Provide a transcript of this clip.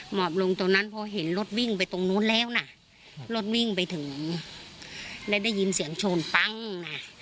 หมอบลงตรงนั้นพอเห็นรถวิ่งไปตรงนู้นแล้วนะรถวิ่งไปถึงแล้วได้ยินเสียงชนปั้งนะ